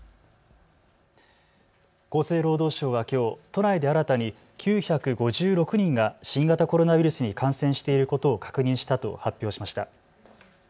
厚生労働省はきょう都内で新たに９５６人が新型コロナウイルスに感染していることを確認したと発表しました。